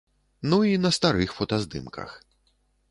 Ну і на старых фотаздымках.